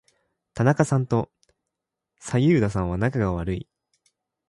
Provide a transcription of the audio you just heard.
田中さんと左右田さんは仲が悪い。